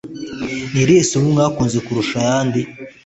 Ni irihe somo mwakunze kurusha ayandi